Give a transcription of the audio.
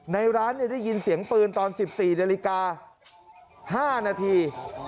ในร้านได้ยินเสียงปืนตอน๑๔นาฬิกา๕นาที